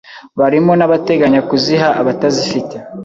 barimo n’abateganya kuziha abatazifite